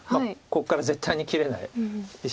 ここから絶対に切れない石なので。